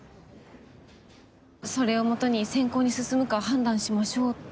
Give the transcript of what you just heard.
それを基に選考に進むか判断しましょうって。